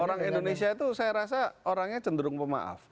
orang indonesia itu saya rasa orangnya cenderung pemaaf